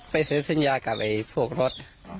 ไปซื้อสัญญากับพวกรถ